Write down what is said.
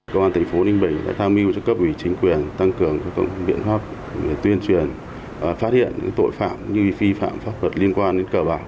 công an thành phố ninh bình đã tham mưu cho cấp ủy chính quyền tăng cường các biện pháp tuyên truyền phát hiện những tội phạm như vi phạm pháp luật liên quan đến cờ bạc